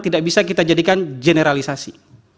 tidak bisa kita jadikan generalisasi